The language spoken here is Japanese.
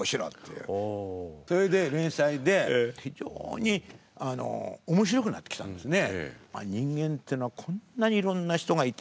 それで連載で非常に面白くなってきたんですね。